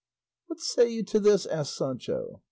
"What say you to this?" asked Sancho.